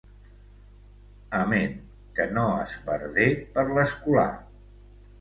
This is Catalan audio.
Amén, que no es perdé per l'escolà.